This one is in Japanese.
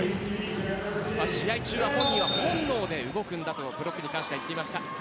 試合中は本人は本能で動くんだとブロックに関して言っていました。